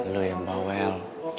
lo yang bawel